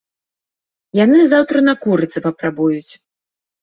Яны заўтра на курыцы папрабуюць.